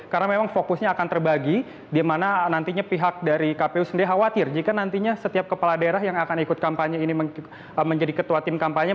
karena memang fokusnya akan terbagi di mana nantinya pihak dari kpu sendiri khawatir jika nantinya setiap kepala daerah yang akan ikut kampanye ini menjadi ketua tim kampanye